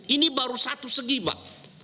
ini baru satu segi pak